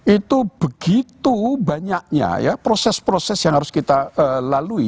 itu begitu banyaknya ya proses proses yang harus kita lalui